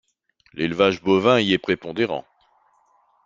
L'élevage bovin y est prépondérant.